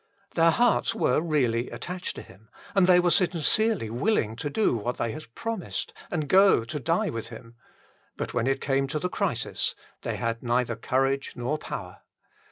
Their hearts were really attached to Him, and they were sincerely willing to do what they had promised and go to die with Him ; but when it came to the crisis, they had neither courage nor power.